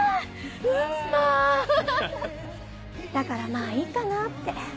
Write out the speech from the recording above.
だからまぁいいかなって。